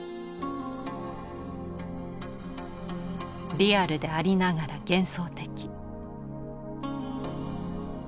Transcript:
リアルでありながら幻想的。